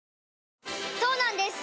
そうなんです